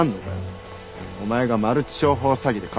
お前がマルチ商法詐欺で稼いだ金は。